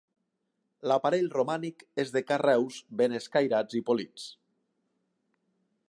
L'aparell romànic és de carreus ben escairats i polits.